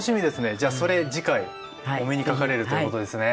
じゃあそれ次回お目にかかれるということですね。